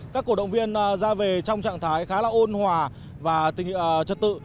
các cổ động viên ra về trong trạng thái khá là ôn hòa và trật tự